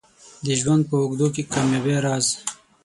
د ژوند په اوږدو کې د کامیابۍ راز